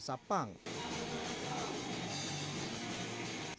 penggemar punk yang membawakan lagu lagu rohani berluansa punk